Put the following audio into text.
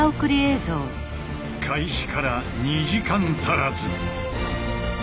開始から２時間足らず。